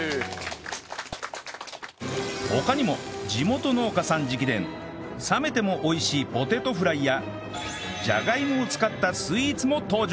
他にも地元農家さん直伝冷めても美味しいポテトフライやじゃがいもを使ったスイーツも登場